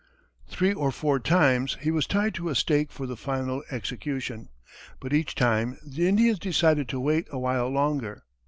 Three or four times, he was tied to a stake for the final execution, but each time the Indians decided to wait a while longer.